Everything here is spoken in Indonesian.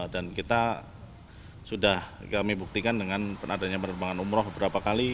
dan kita sudah kami buktikan dengan penadanya penerbangan umroh beberapa kali